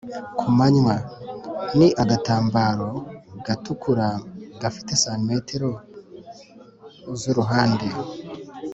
kumanywa:ni agatambaro gatukura gafite cm z’uruhande